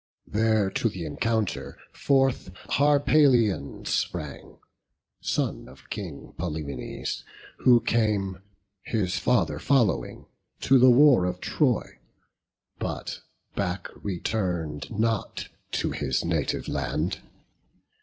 There to th' encounter forth Harpalion sprang, Son of the King Pylaemenes, who came, His father following, to the war of Troy, But back return'd not to his native land.